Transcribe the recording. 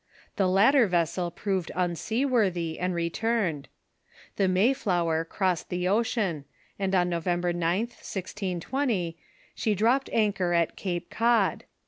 The latter vessel proved unseaworthy, and returned. The Mayfloicer crossed the ocean, and on November 9th, 1620, she dropped anchor at Cape Cod.